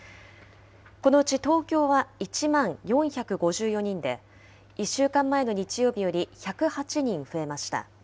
このうち東京は１万４５４人で、１週間前の日曜日より１０８人増えました。